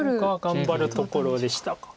頑張るところでしたか。